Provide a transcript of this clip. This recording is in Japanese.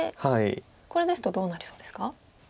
これですとどうなりそうですか？